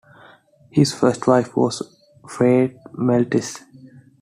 His first wife was Faye Maltese.